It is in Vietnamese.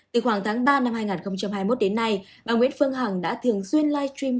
từ khoảng tháng ba năm hai nghìn hai mươi một đến nay bà nguyễn phương hằng đã thường xuyên live stream